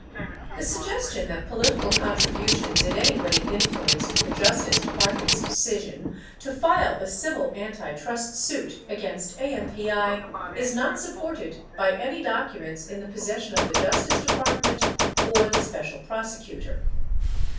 14 The suggestion that political contributions in any way influenced the Justice Depart ment's decision to file the civil antitrust suit against AMPI is not supported by any documents in the possession of the Justice Department or the Special Prosecutor.